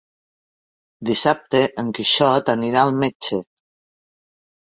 Dissabte en Quixot anirà al metge.